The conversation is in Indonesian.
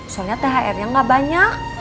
soalnya thrnya nggak banyak